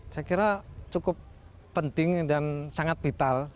saya kira cukup penting dan sangat vital